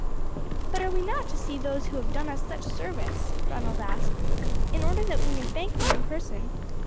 "But are we not to see those who have done us such service," Ronald asked, "in order that we may thank them in person?"